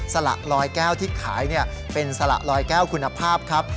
สละลอยแก้วที่ขายเป็นสละลอยแก้วคุณภาพครับ